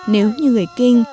nếu như người kinh